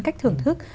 cách thưởng thức